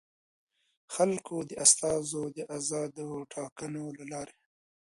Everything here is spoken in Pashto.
د خلکو د استازیو د ازادو ټاکنو له لارې.